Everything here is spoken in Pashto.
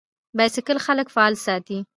بایسکل خلک فعال ساتي.